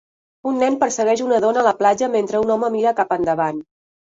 Un nen persegueix una dona a la platja mentre un home mira cap endavant.